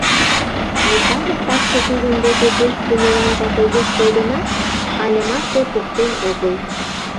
Микале такше тудын деке пеш кумыланжак огеш кой гынат, але марте поктен огыл.